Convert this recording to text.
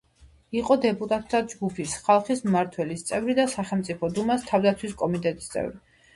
იყო დეპუტატთა ჯგუფის, „ხალხის მმართველობის“ წევრი და სახელმწიფო დუმას თავდაცვის კომიტეტის წევრი.